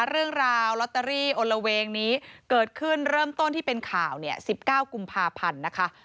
เรื่องราวลอตเตอรี่อลละเวงนี้เกิดขึ้นเริ่มต้นที่เป็นข่าวเนี่ย๑๙กุมภาพันธ์นะคะ